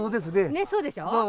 ねっそうでしょう？